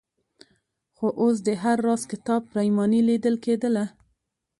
خو اوس د هر راز کتاب پرېماني لیدل کېدله.